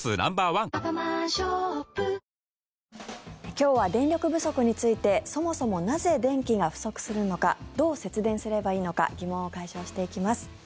今日は電力不足についてそもそもなぜ電気が不足するのかどう節電すればいいのか疑問を解消していきます。